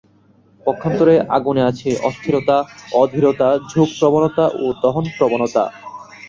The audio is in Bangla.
পক্ষান্তরে আগুনে আছে অস্থিরতা, অধীরতা, ঝোঁক প্রবণতা ও দহন প্রবণতা।